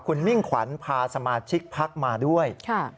คุณมิ่งขวัญพาสมาชิกพักมาด้วย